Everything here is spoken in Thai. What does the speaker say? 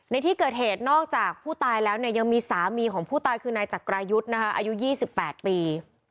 ในที่เกิดเหตุนอกจากผู้ตายแล้วเนี่ยยังมีสามีของผู้ตายคือนายจักรายุทธ์นะคะอายุ๒๘ปี